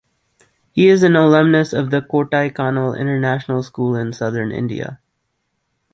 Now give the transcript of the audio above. He is an alumnus of the Kodaikanal International School in southern India.